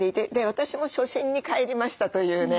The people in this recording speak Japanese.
私も初心に帰りました」というね。